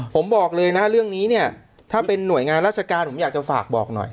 ผมบอกเลยนะเรื่องนี้เนี่ยถ้าเป็นหน่วยงานราชการผมอยากจะฝากบอกหน่อย